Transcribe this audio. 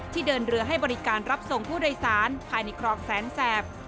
เดินเรือให้บริการรับส่งผู้โดยสารภายในครองแสนแสบ